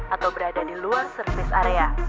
atau berada di luar service area